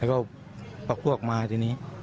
แล้วก็ภักร่วงมาที่นี้